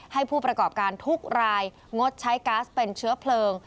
ให้ผู้ประกอบการทุกรายงดใช้ก๊าซเป็นเชื้อเพลิง